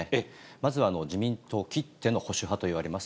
まずは自民党きっての保守派といわれます